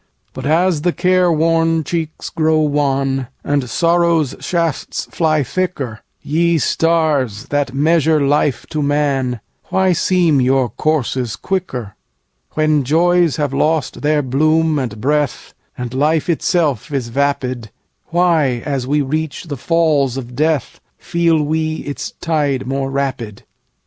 But as the care worn cheeks grow wan, And sorrow's shafts fly thicker, Ye Stars, that measure life to man, Why seem your courses quicker? When joys have lost their bloom and breathAnd life itself is vapid, Why, as we reach the Falls of Death, Feel we its tide more rapid?